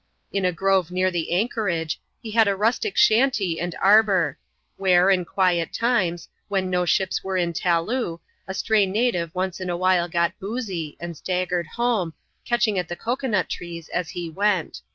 In a grove near the anchorage, he had a rustic shanty and arbour ; where, in quiet times, when no ships were in Taloo, a stray native once in a while got boozy, and staggered home, catching at the cocoa nut trees as he went.